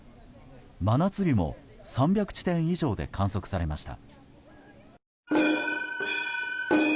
真夏日も３００地点以上で観測されました。